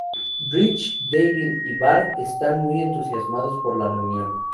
Rich, Devin y Brad están muy entusiasmados por la reunión.